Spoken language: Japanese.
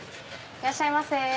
いらっしゃいませ。